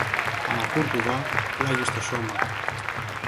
ανακούρκουδα πλάγι στο σώμα.